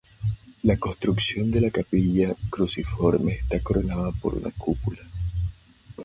La construcción de la capilla cruciforme está coronada por una cúpula.